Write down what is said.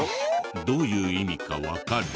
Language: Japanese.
どういう意味かわかる？